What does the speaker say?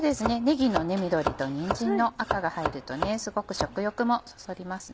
ねぎの緑とにんじんの赤が入るとすごく食欲もそそります。